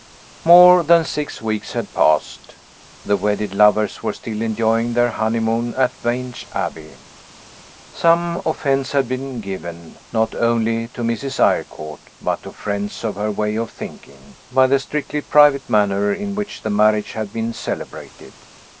MORE than six weeks had passed. The wedded lovers were still enjoying their honeymoon at Vange Abbey. Some offense had been given, not only to Mrs. Eyrecourt, but to friends of her way of thinking, by the strictly private manner in which the marriage had been celebrated.